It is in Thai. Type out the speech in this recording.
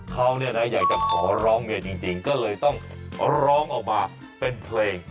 เขาเนี่ยนะอยากจะขอร้องเรียนจริงก็เลยต้องร้องออกมาเป็นเพลง